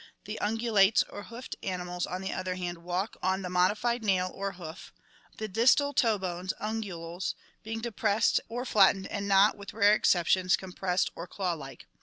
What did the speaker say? The un gulates or hoofed animals, on the other hand, walk on the modified nail or hoof (uriguli grade, Lat. ungula, hoof), the distal toe bones (unguals) being depressed or flattened and not, with rare exceptions, com pressed or claw like.